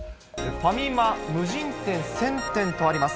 ファミマ無人店１０００店とあります。